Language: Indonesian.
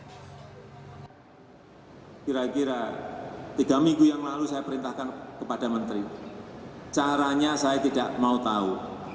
kira kira tiga minggu yang lalu saya perintahkan kepada menteri caranya saya tidak mau tahu